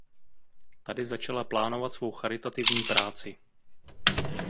Tady začala plánovat svou charitativní práci.